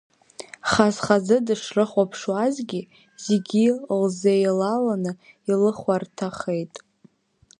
Хаз-хазы дышрыхәаԥшуазгьы, зегьы лзеилаланы илыхәарҭахеит.